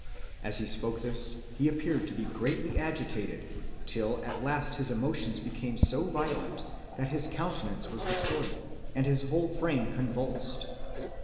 As he spoke this, he appeared to be greatly agitated; till at last his emotions became so violent, that his countenance was distorted, and his whole frame convulsed.